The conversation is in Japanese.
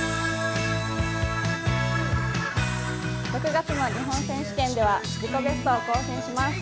６月の日本選手権では自己ベストを更新します。